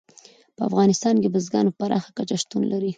په افغانستان کې بزګان په پراخه کچه شتون لري.